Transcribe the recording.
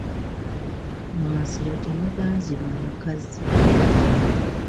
Mu masiro temuganzirwa bakazi.